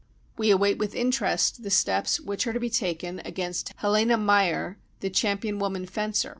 We await with interest the steps which are to be taken against Helene Mayer, the champion woman fencer.